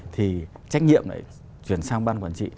thì trách nhiệm lại chuyển sang ban quản trị